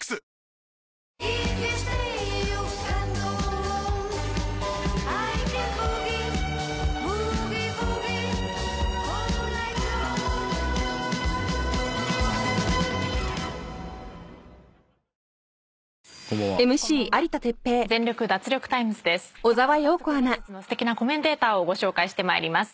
では早速本日のすてきなコメンテーターをご紹介してまいります。